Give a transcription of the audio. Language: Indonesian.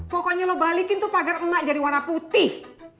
pokoknya lo balikin tuh pagar emak jadi warna putih